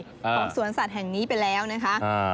ของสวนสัตว์แห่งนี้ไปแล้วนะคะ